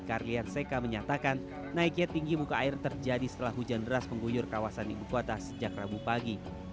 karlian seka menyatakan naiknya tinggi muka air terjadi setelah hujan deras mengguyur kawasan ibu kota sejak rabu pagi